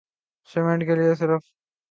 Cement کیلئے صرف limestone ہی نہیں چاہیے۔